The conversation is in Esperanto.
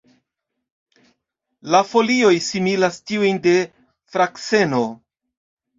La folioj similas tiujn de frakseno.